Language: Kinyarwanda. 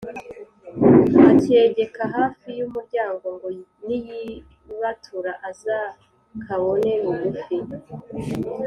akegeka hafi y’umuryango ngo niyibatura azakabone bugufi.